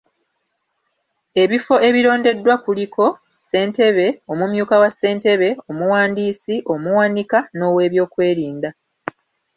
Ebifo ebirondeddwa kuliko; ssentebe, omumyuka wa ssentebe, omuwandiisi, omuwanika, n’oweebyokwerinda.